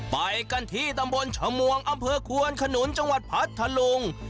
ไปกันที่ตำบลชมวงอำเภอควนขนุนจังหวัดพัทธลุง